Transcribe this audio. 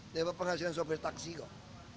dapat penghasilan sopir taksi kok